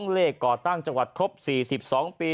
เลขก่อตั้งจังหวัดครบ๔๒ปี